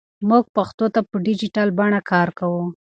موږ پښتو ته په ډیجیټل بڼه کار کوو.